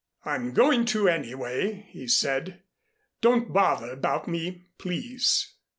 "I'm going to, anyway," he said. "Don't bother about me, please."